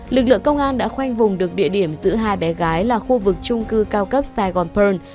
lực lượng công an đã khoanh vùng được địa điểm giữa hai bé gái là khu vực trung cư cao cấp saigon perl